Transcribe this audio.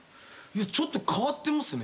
ちょっと変わってますね。